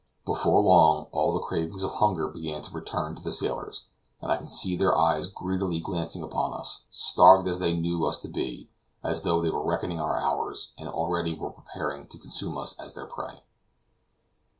Before long, all the cravings of hunger began to return to the sailors, and I could see their eyes greedily glancing upon us, starved as they knew us to be, as though they were reckoning our hours, and already were preparing to consume us as their prey.